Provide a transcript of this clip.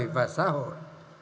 người và xã hội